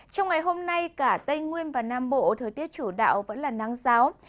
trong ngày hôm nay cả tây nguyên và nam bộ thời tiết chủ đạo vẫn là nắng giáo